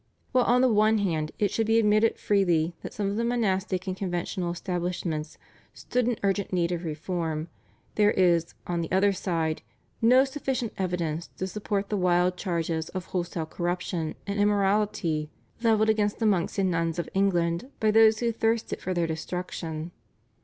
While on the one hand it should be admitted freely that some of the monastic and conventual establishments stood in urgent need of reform, there is, on the other side, no sufficient evidence to support the wild charges of wholesale corruption and immorality levelled against the monks and nuns of England by those who thirsted for their destruction.